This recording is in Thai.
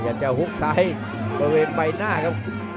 แล้วหุ้กซ้ายประเวนไปหน้าครับ